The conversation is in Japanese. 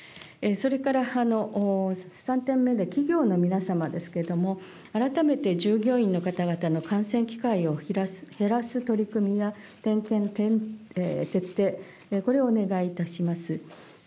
それから３点目で、企業の皆様ですけれども、改めて従業員の方々の感染機会を減らす取り組みや徹底、これをお願いいたします。